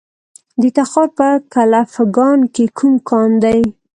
د تخار په کلفګان کې کوم کان دی؟